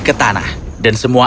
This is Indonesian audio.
ke tanah dan semua